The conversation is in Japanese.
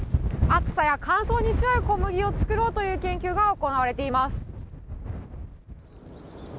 暑さや乾燥に強い小麦を作ろうという研究が行われています。